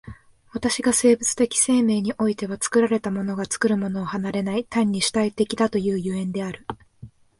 私が生物的生命においては作られたものが作るものを離れない、単に主体的だという所以である。